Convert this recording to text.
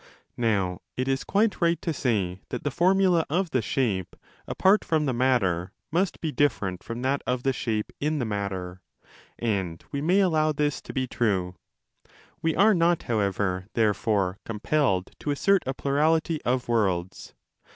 Now it is quite right to say that the formula of the shape apart from the matter must be different from that of the shape in the matter, and we may allow this to be true. We are not, however, therefore compelled to assert a plurality of worlds.